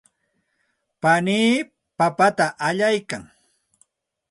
panii papata allaykan.